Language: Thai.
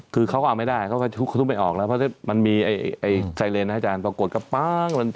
คือเขาก็เอาไม่ได้เขาก็ทุบไม่ออกแล้วเพราะมันมีไซเรนนะอาจารย์ปรากฏก็ปั้ง